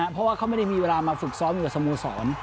เพราะว่าเขาไม่ได้มีเวลามาฝึกซ้อมอยู่กับสโมสร